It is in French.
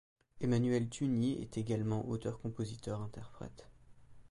Emmanuel Tugny est également auteur-compositeur-interprète.